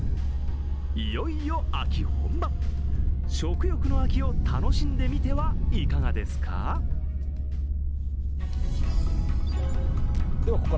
いよいよ秋本番、食欲の秋を楽しんでみてはいかがですか。